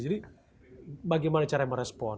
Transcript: jadi bagaimana cara merespon